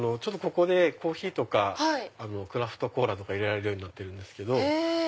ここでコーヒーとかクラフトコーラとか入れられるようになってるんですけど。